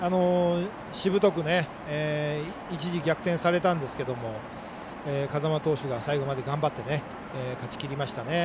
しぶとく一時逆転されたんですが風間投手が最後まで頑張って勝ちきりましたね。